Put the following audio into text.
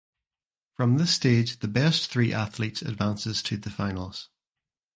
From this stage the best three athletes advances to the finals.